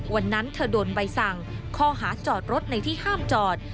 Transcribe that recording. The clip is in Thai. วันนั้นเธอโดนใบสั่งข้อหาจอดรถในที่ห้ามจอด